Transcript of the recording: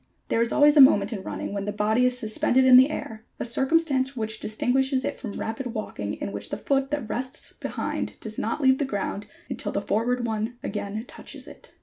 There is always a moment in running when the body is suspended in the air, a circumstance which distinguishes it from rapid walking in which the foot that rests behind does not leave the ground until the forward one again touches it.